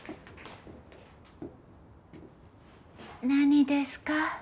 何ですか？